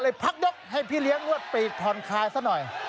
เลยพักยกให้พี่เลี้ยงงวดไปทอนคายซะหน่อย